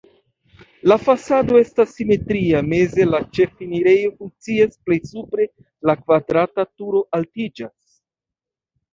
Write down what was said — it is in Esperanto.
La fasado estas simetria, meze la ĉefenirejo funkcias, plej supre la kvadrata turo altiĝas.